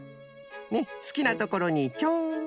ねっすきなところにチョン。